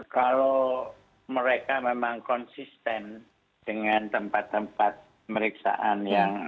kalau mereka memang konsisten dengan tempat tempat pemeriksaan yang